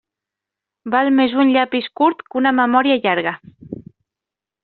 Val més un llapis curt que una memòria llarga.